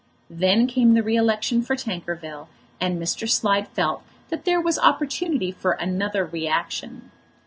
Then came the re election for Tankerville, and Mr. Slide felt that there was opportunity for another reaction.